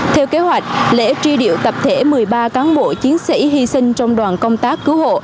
theo kế hoạch lễ truy điệu tập thể một mươi ba cán bộ chiến sĩ hy sinh trong đoàn công tác cứu hộ